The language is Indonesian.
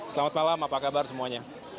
selamat malam apa kabar semuanya